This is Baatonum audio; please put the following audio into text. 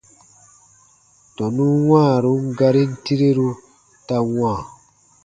Tɔnun wãarun garin tireru ta wãa.